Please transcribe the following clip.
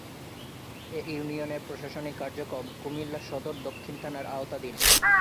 এ ইউনিয়নের প্রশাসনিক কার্যক্রম কুমিল্লা সদর দক্ষিণ থানার আওতাধীন।